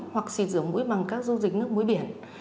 hoặc xịt rửa mũi bằng các dung dịch nước muối biển